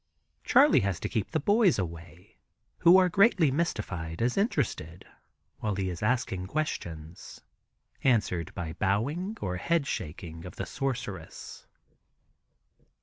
Charley has to keep the people away, who are greatly mystified as interested, while he is asking questions, answered by bowing or head shaking of the sorceress.